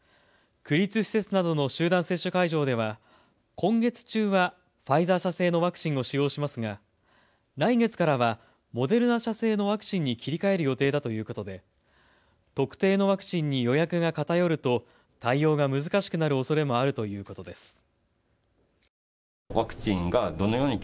区立施設などの集団接種会場では今月中はファイザー社製のワクチンを使用しますが来月からはモデルナ社製のワクチンに切り替える予定だということで特定のワクチンに予約が偏ると対応が難しくなるおそれもあるということです。